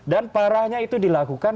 dan parahnya itu dilakukan